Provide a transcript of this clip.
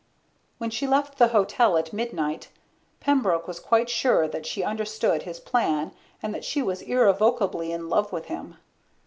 When she left the hotel at midnight, Pembroke was quite sure that she understood his plan and that she was irrevocably in love with him.